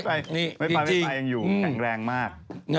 ไฟไม่พายยังอยู่แข็งแรงมาก